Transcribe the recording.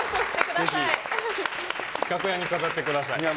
楽屋に飾ってください。